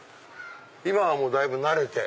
今はもうだいぶ慣れて？